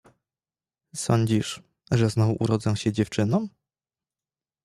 Sądzisz, że znowu urodzę się dziewczyną?